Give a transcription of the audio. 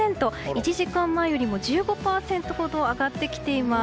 １時間前よりも１５％ほど上がってきています。